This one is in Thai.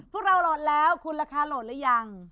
พวกเราโหลดแล้วคุณราคาโหลดหรือยัง